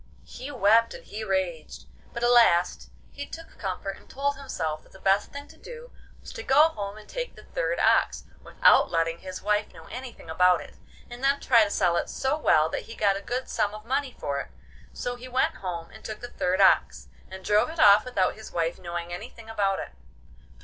He wept and he raged, but at last he took comfort and told himself that the best thing to do was to go home and take the third ox, without letting his wife know anything about it, and then try to sell it so well that he got a good sum of money for it. So he went home and took the third ox, and drove it off without his wife knowing anything about it.